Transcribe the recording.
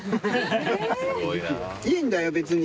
いいんだよ、別に。